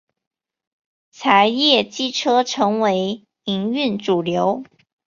柴液机车成为营运主流。